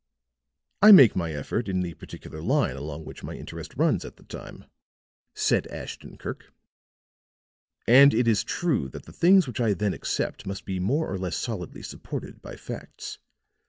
"I make my effort in the particular line along which my interest runs at the time," said Ashton Kirk. "And it is true that the things which I then accept must be more or less solidly supported by facts.